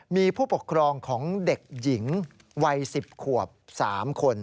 มีผู้ปกครองของเด็กหญิงวัย๑๐ขวบ๓คน